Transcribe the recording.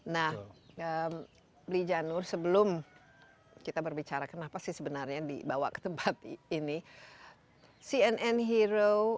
nah beli janur sebelum kita berbicara kenapa sih sebenarnya dibawa ke tempat ini cnn hero